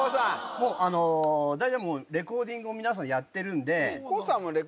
もうあの大体もうレコーディングを皆さんやってるんでＤＯＤＡＮＣＥ